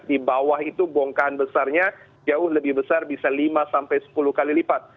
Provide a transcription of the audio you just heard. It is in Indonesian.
di bawah itu bongkahan besarnya jauh lebih besar bisa lima sampai sepuluh kali lipat